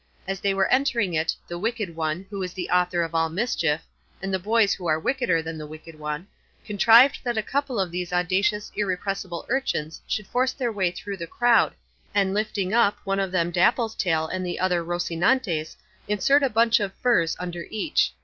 As they were entering it, the wicked one, who is the author of all mischief, and the boys who are wickeder than the wicked one, contrived that a couple of these audacious irrepressible urchins should force their way through the crowd, and lifting up, one of them Dapple's tail and the other Rocinante's, insert a bunch of furze under each.